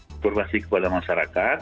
kekeluargaan kepada masyarakat